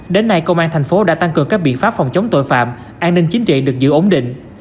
đến nay công an thành phố đã tăng cường các biện pháp phòng chống tội phạm an ninh chính trị được giữ ổn định